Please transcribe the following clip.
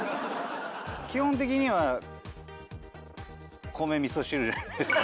基本的には米味噌汁じゃないですか？